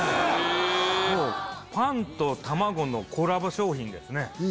パンと卵のコラボ商品ですね。